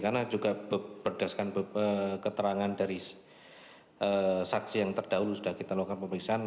karena juga berdasarkan keterangan dari saksi yang terdahulu sudah kita lakukan pemikiran